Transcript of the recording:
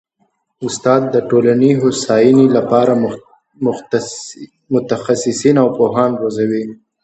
استاد د ټولني د هوسايني لپاره متخصصین او پوهان روزي.